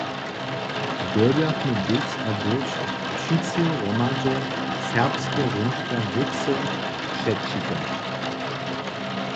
Dyrbjachmy hdys a hdys wšitcy hromadźe serbske hrónčka wótře předčitać.